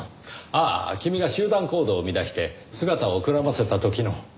ああ君が集団行動を乱して姿をくらませた時の。